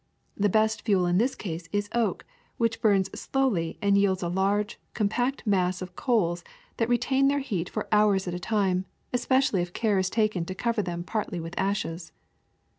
The best fuel in this case is oak, which bums slowly and yields a large, compact mass of coals that retain their heat 113 114 THE SECRET OF EVERYDAY THINGS for hours at a time, especially if care is taken to cover them partly with ashes.